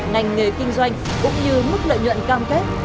ngành nghề kinh doanh cũng như mức lợi nhuận cam kết